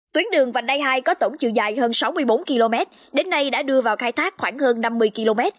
tuyến đường vành đai hai có tổng chiều dài hơn sáu mươi bốn km đến nay đã đưa vào khai thác khoảng hơn năm mươi km